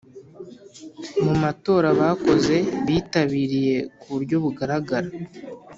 mu matora bakoze bitabiriye ku buryo bugaragara